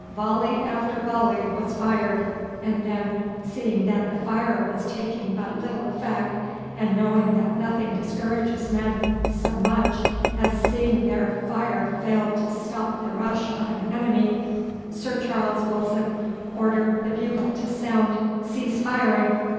Volley after volley was fired, and then, seeing that the fire was taking but little effect, and knowing that nothing discourages men so much as seeing their fire fail to stop the rush of an enemy, Sir Charles Wilson ordered the bugle to sound "Cease firing!"